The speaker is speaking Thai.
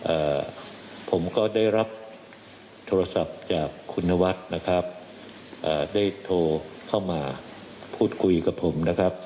เอ่อผมก็ได้รับโทรศัพท์จากคุณนวัดนะครับอ่าได้โทรเข้ามาพูดคุยกับผมนะครับ